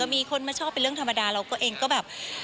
มีคนมาชอบเป็นเรื่องธรรมดาเราก็เองก็แบบ